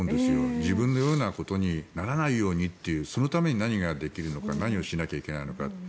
自分のようなことにならないようにというそのために何ができるのか何をしなきゃいけないのか。